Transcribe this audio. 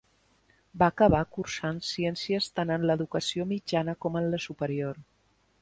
Va acabar cursant ciències tant en l'educació mitjana com en la superior.